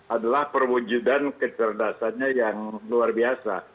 adalah perwujudan kecerdasannya yang luar biasa